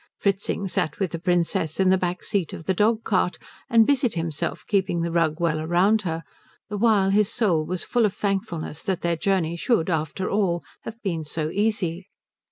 Fritzing sat with the Princess on the back seat of the dog cart, and busied himself keeping the rug well round her, the while his soul was full of thankfulness that their journey should after all have been so easy.